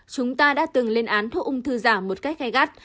chúng ta đã từng lên án thuốc ung thư giả một cách gai gắt